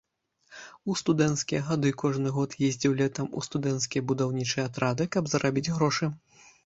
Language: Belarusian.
У студэнцкія гады кожны год ездзіў летам у студэнцкія будаўнічыя атрады, каб зарабіць грошы.